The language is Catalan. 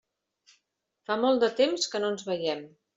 Fa molt de temps que no ens veiem.